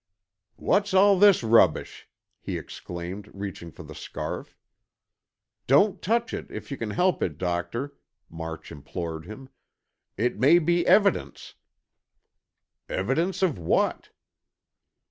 "What's all this rubbish?" he exclaimed, reaching for the scarf. "Don't touch it, If you can help it, Doctor," March implored him. "It may be evidence——" "Evidence of what?"